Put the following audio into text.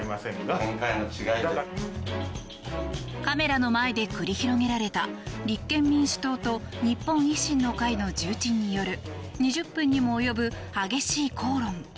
カメラの前で繰り広げられた立憲民主党と日本維新の会の重鎮による２０分にも及ぶ激しい口論。